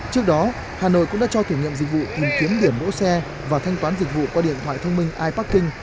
trước đó hà nội cũng đã cho thử nghiệm dịch vụ tìm kiếm điểm đỗ xe và thanh toán dịch vụ qua điện thoại thông minh iparking